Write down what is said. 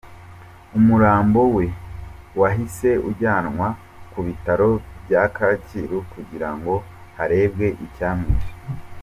Umurambo we wahise ujyanwa ku Bitaro bya Kacyiru kugira ngo harebwe icyamwishe.